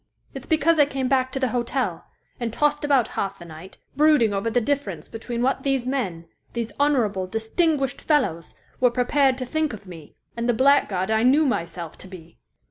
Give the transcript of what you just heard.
It's because I came back to the hotel and tossed about half the night brooding over the difference between what these men these honorable, distinguished fellows were prepared to think of me, and the blackguard I knew myself to be.